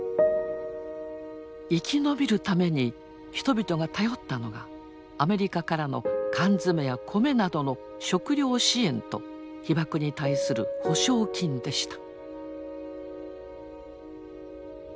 生き延びるために人々が頼ったのがアメリカからの缶詰や米などの食料支援と被ばくに対する補償金でした。